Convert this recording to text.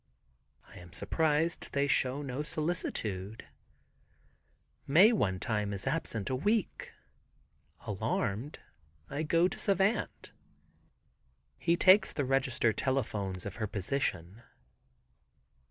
I am surprised they show no solicitude. Mae one time is absent a week. Alarmed I go to Savant. He takes the register telephones of her position.